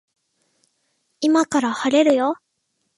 今から晴れるよ